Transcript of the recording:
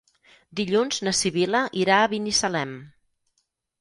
Dilluns na Sibil·la irà a Binissalem.